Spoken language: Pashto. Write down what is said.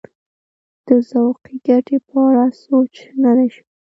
د ذوقي ګټې په اړه سوچ نه دی شوی.